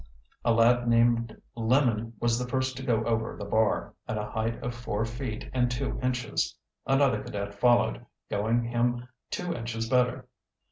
A lad named Lemon was the first to go over the bar, at a height of four feet and two inches. Another cadet followed, going him two inches better.